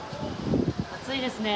暑いですね。